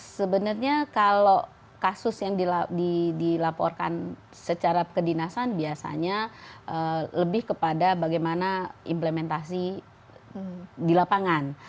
sebenarnya kalau kasus yang dilaporkan secara kedinasan biasanya lebih kepada bagaimana implementasi di lapangan